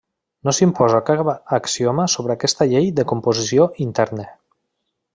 No s'imposa cap axioma sobre aquesta llei de composició interna.